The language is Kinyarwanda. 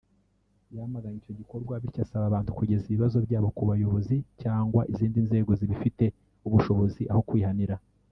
yamaganye icyo gikorwa bityo asaba abantu kugeza ibibazo byabo ku bayobozi cyangwa izindi nzego zibifite ubushobozi aho kwihanira